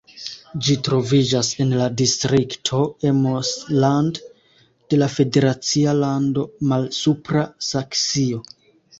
Ĝi troviĝas en la distrikto Emsland de la federacia lando Malsupra Saksio.